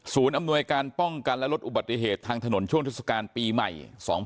อำนวยการป้องกันและลดอุบัติเหตุทางถนนช่วงเทศกาลปีใหม่๒๕๖๒